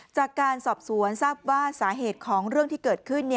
จากการสอบสวนทราบว่าสาเหตุของเรื่องที่เกิดขึ้น